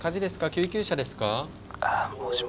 救急車ですか？